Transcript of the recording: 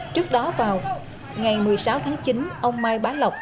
trước đó vào ngày một mươi sáu tháng chín ông mai bá lộc